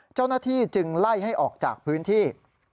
เจ้าหน้าที่จึงไล่ให้ออกจากพื้นที่